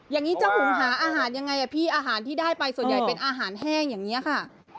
อย่างนี้เจ้าหุงหาอาหารยังไงพี่อาหารที่ได้ไปส่วนใหญ่เป็นอาหารแห้งอย่างนี้ค่ะ